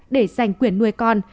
để giành quyền nuôi con